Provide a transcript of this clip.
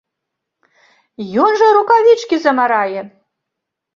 Ён жа рукавічкі замарае!